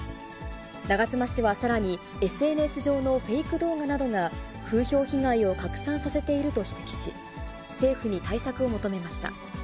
長妻氏はさらに、ＳＮＳ上のフェイク動画などが、風評被害を拡散させていると指摘し、政府に対策を求めました。